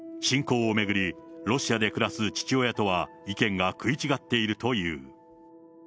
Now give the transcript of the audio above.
侵攻を巡り、ロシアで暮らす父親とは意見が食い違っているという。